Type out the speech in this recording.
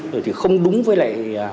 rồi thì không đúng với lại